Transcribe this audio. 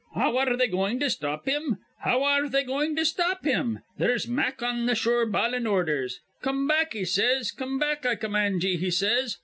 "How ar re they goin' to stop him? How ar re they goin' to stop him? There's Mack on th' shore bawlin' ordhers. 'Come back,' he says. 'Come back, I command ye,' he says.